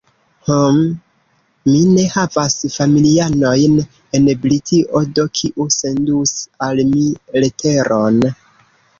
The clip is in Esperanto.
"Hm, mi ne havas familianojn en Britio, do kiu sendus al mi leteron?"